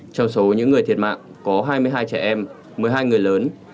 trong số những người thiệt mạng có hai mươi hai trẻ em một mươi hai người lớn